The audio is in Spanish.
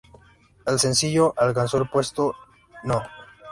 El sencillo alcanzó el puesto No.